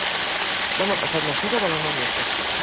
Demà passat na Sira vol anar al metge.